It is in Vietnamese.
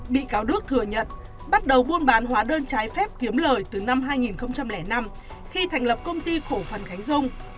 bị cáo đức thừa nhận bắt đầu buôn bán hóa đơn trái phép kiếm lời từ năm hai nghìn năm khi thành lập công ty cổ phần khánh dung